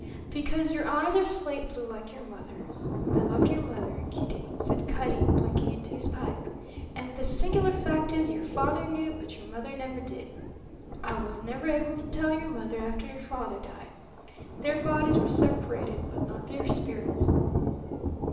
"Because your eyes are slate blue like your mother's. I loved your mother, Kitty," said Cutty, blinking into his pipe. "And the singular fact is, your father knew but your mother never did. I was never able to tell your mother after your father died. Their bodies were separated, but not their spirits."